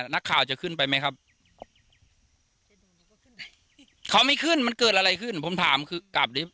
นักข่าวจะขึ้นไปไหมครับเขาไม่ขึ้นมันเกิดอะไรขึ้นผมถามคือกลับดิ